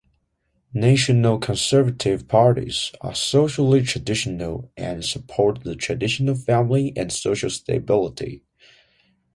National conservative parties are "socially traditional" and support the traditional family and social stability.